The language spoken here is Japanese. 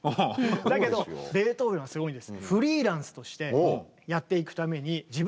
だけどベートーベンはすごいんです。